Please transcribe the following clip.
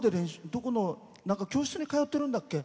教室に通ってるんだっけ？